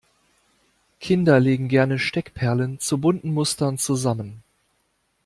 Kinder legen gerne Steckperlen zu bunten Mustern zusammen.